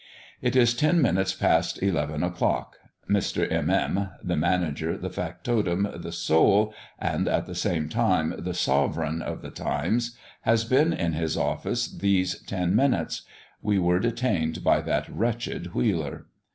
It is ten minutes past eleven o'clock. Mr. M. M. the manager, the factotum, the soul, and, at the same time, the sovereign of the Times has been in his office these ten minutes. We were detained by that wretched wheeler.